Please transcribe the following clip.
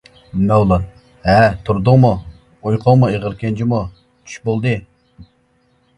مەۋلان:-ھە تۇردۇڭمۇ؟ -ئۇيقۇڭمۇ ئېغىركەن جۇمۇ؟ چۈش بولدى.